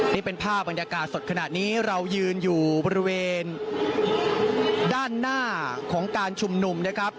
นี่เป็นภาพบรรยากาศสดขณะนี้เรายืนอยู่บริเวณด้านหน้าของการชุมนุมนะครับ